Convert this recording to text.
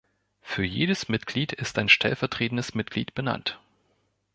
Für jedes Mitglied ist ein stellvertretendes Mitglied benannt.